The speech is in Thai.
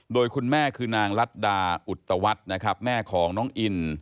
โดยคุณแม่คือนางรัฐดาอุตวัฒน์นะครับแม่ของน้องอิน